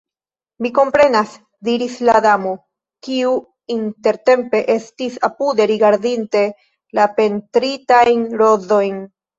"Mi komprenas," diris la Damo, kiu intertempe estis apude rigardinta la pentritajn rozojn.